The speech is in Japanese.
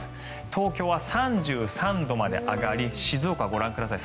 東京は３３度まで上がり静岡、ご覧ください。